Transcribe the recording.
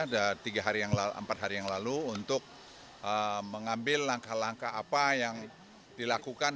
ada tiga hari empat hari yang lalu untuk mengambil langkah langkah apa yang dilakukan